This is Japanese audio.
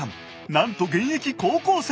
なんと現役高校生。